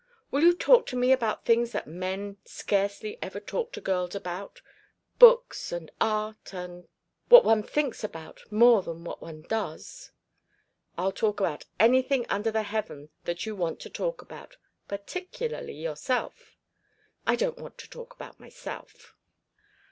"Will you talk to me about things that men scarcely ever talk to girls about, books and art and what one thinks about more than what one does." "I'll talk about anything under heaven that you want to talk about particularly yourself." "I don't want to talk about myself."